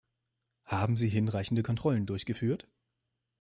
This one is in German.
Haben sie hinreichende Kontrollen durchgeführt?